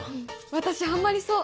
私ハマりそう！